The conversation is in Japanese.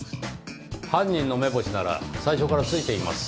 犯人の目星なら最初からついています。